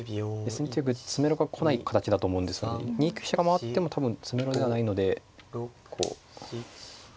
先手玉詰めろが来ない形だと思うんですけど２九飛車が回っても多分詰めろではないのでこう。